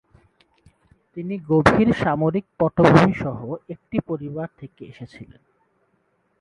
তিনি গভীর সামরিক পটভূমি সহ একটি পরিবার থেকে এসেছিলেন।